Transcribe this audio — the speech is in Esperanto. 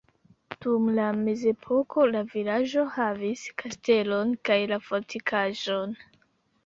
Dum la mezepoko la vilaĝo havis kastelon kaj fortikaĵon.